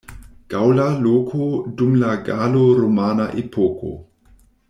Gaŭla loko dum la galo-romana epoko.